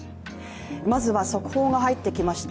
まずは速報が入ってきました。